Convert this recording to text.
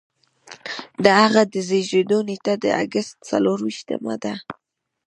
د هغه د زیږیدو نیټه د اګست څلور ویشتمه ده.